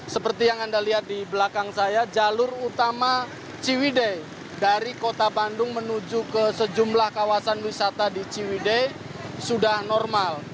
seperti yang anda lihat di belakang saya jalur utama ciwide dari kota bandung menuju ke sejumlah kawasan wisata di ciwide sudah normal